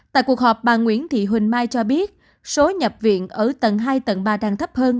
tại cuộc họp bà nguyễn thị huỳnh mai cho biết số nhập viện ở tầng hai tầng ba đang thấp hơn